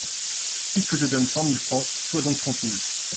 Puisque je donne cent mille francs, sois donc tranquille.